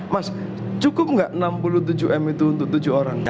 mas cukup nggak enam puluh tujuh m itu untuk tujuh orang